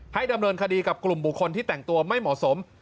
ดำเนินคดีกับกลุ่มบุคคลที่แต่งตัวไม่เหมาะสม